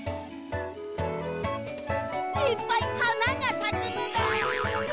いっぱいはながさくのだ。